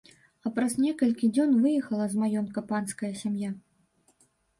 А праз некалькі дзён выехала з маёнтка панская сям'я.